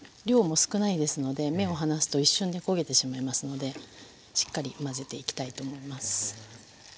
量も少ないですので目を離すと一瞬で焦げてしまいますのでしっかり混ぜていきたいと思います。